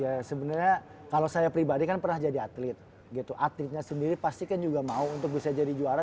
ya sebenarnya kalau saya pribadi kan pernah jadi atlet gitu atletnya sendiri pasti kan juga mau untuk bisa jadi juara